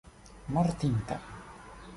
mortinta